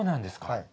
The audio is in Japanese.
はい。